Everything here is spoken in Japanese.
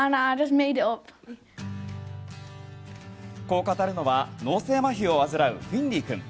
こう語るのは脳性まひを患うフィンリー君。